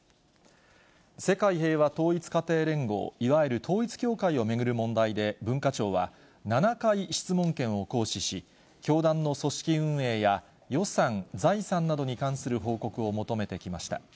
世界平和統一家庭連合、いわゆる統一教会を巡る問題で、文化庁は、７回質問権を行使し、教団の組織運営や予算、財産などに関する報告を求めてきました。